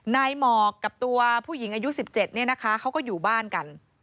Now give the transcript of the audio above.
หมอกกับตัวผู้หญิงอายุ๑๗เนี่ยนะคะเขาก็อยู่บ้านกัน